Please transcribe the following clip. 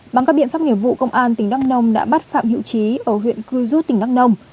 bằng các biện pháp nghiệp vụ công an tỉnh đắk nông đã bắt phạm hữu trí ở huyện cư rút tỉnh đắk nông